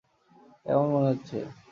কেমন মনে হচ্ছে?